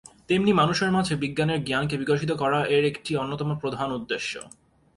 তেমনি মানুষের মাঝে বিজ্ঞানের জ্ঞান কে বিকশিত করা এর একটি অন্যতম প্রধান উদ্যেশ্য।